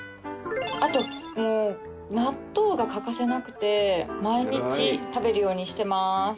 あと納豆が欠かせなくて毎日食べるようにしてます。